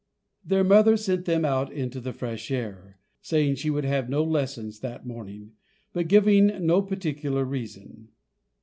Their mother sent them out into the fresh air, saying she would have no lessons that morning, but giving no particular reason.